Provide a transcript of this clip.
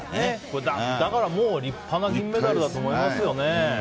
だから立派な銀メダルだと思いますよね。